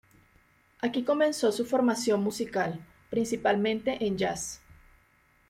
Aquí comenzó su formación musical, principalmente en Jazz.